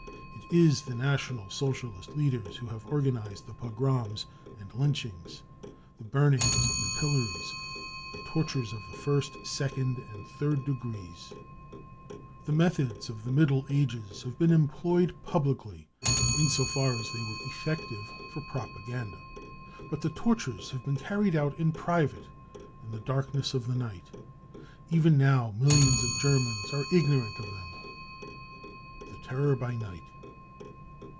It is the National Socialist leaders who have ( organised the pogroms and lynchings, the burnings and the pillories, the tortures of the first, second and third degrees. The methods of the Middle Ages have been employed i publicly in so far as they were effective for propaganda. 1 But t he tortures have been carried out in private, in the darkness of the night, liven now millions of Germans are | ignorant of them. j The Terror by Night.